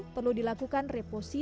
perlu dilakukan repotensi